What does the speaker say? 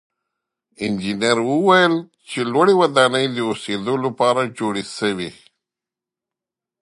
انجنیر وویل چې لوړې ودانۍ د اوسېدو لپاره جوړې سوې.